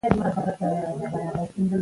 نجونې يې نه پرېښودې،